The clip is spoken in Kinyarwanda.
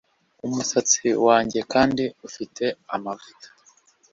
umusatsi wanjye kandi ufite amavuta